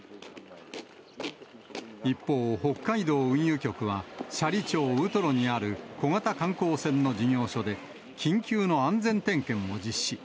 一方、北海道運輸局は、斜里町ウトロにある小型観光船の事業所で、緊急の安全点検を実施。